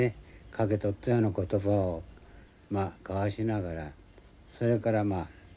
かけとったような言葉をまあ交わしながらそれから眠る。